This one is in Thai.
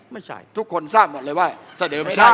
ไม่ใช่ทุกคนทราบหมดเลยว่าเสดียกไม่ใช่